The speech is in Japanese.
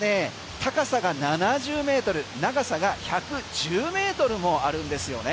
高さが７０ｍ、長さが１１０ｍもあるんですよね。